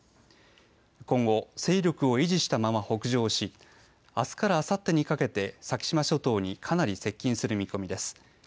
今後、勢力を維持したまま北上しあすからあさってにかけて先島諸島にかなり接近する見込みです。